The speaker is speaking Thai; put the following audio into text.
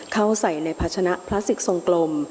เข้าใส่ในพัชนะพลาสติกทรงกลม